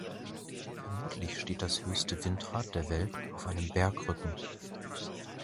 Vermutlich steht das höchste Windrad der Welt auf einem Bergrücken.